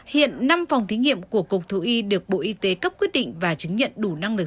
hiện năm phòng thí nghiệm của cục thú y được bộ y tế cấp quyết định và chứng nhận đủ năng lực